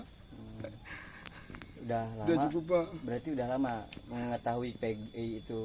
sudah lama berarti sudah lama mengetahui pgi itu